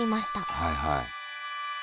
はいはい。